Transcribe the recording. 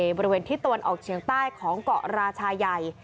บริเวณทิศตะวันออกเฉียงใต้ของเกาะราชาใหญ่